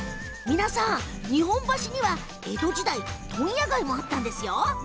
皆さん、日本橋には江戸時代問屋街もあったんですよ。